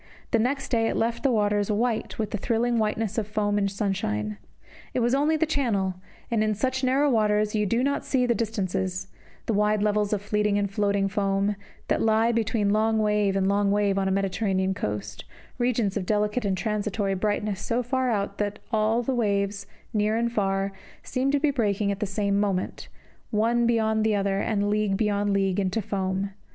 The next day it left the waters white with the thrilling whiteness of foam in sunshine. It was only the Channel; and in such narrow waters you do not see the distances, the wide levels of fleeting and floating foam, that lie light between long wave and long wave on a Mediterranean coast, regions of delicate and transitory brightness so far out that all the waves, near and far, seem to be breaking at the same moment, one beyond the other, and league beyond league, into foam.